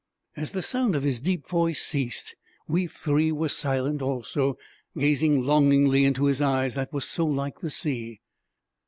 As the sound of his deep voice ceased, we three were silent also, gazing longingly into his eyes, that were so like the sea.